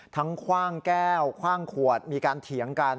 คว่างแก้วคว่างขวดมีการเถียงกัน